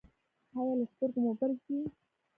ایا له سترګو مو اوبه ځي؟